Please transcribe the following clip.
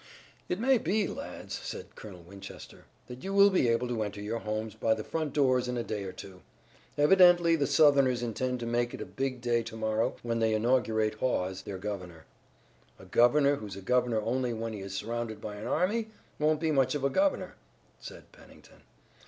"It may be, lads," said Colonel Winchester, "that you will be able to enter your homes by the front doors in a day or two. Evidently the Southerners intend to make it a big day to morrow when they inaugurate Hawes, their governor." "A governor who's a governor only when he is surrounded by an army, won't be much of a governor," said Pennington.